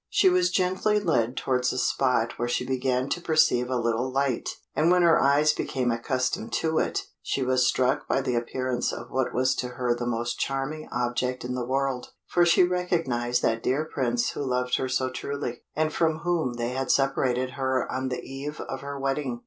She was gently led towards a spot where she began to perceive a little light, and when her eyes became accustomed to it, she was struck by the appearance of what was to her the most charming object in the world, for she recognised that dear Prince who loved her so truly, and from whom they had separated her on the eve of her wedding.